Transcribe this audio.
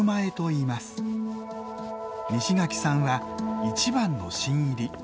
西垣さんは一番の新入り。